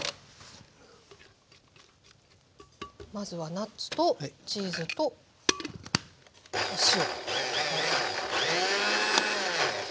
まずはナッツとチーズとお塩。